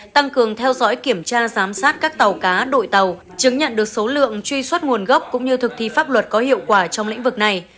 tăng cường theo dõi kiểm tra giám sát các tàu cá đội tàu chứng nhận được số lượng truy xuất nguồn gốc cũng như thực thi pháp luật có hiệu quả trong lĩnh vực này